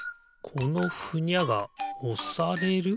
このふにゃがおされる？